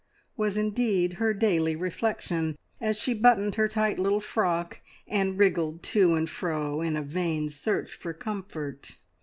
was indeed her daily reflection, as she buttoned her tight little frock, and wriggled to and fro in a vain search for comfort.